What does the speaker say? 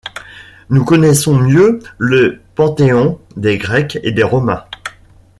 Nous connaissons mieux le panthéon des Grecs et des Romains.